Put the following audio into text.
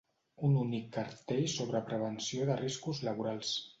Un únic cartell sobre prevenció de riscos laborals.